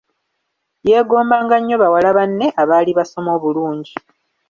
Yeegombanga nnyo bawala banne abaali basoma obulungi.